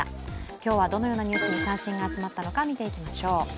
今日はどのようなニュースに関心が集まったのか見ていきましょう。